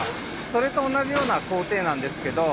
それと同じような工程なんですけど。